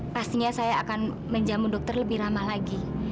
pastinya saya akan menjamu dokter lebih ramah lagi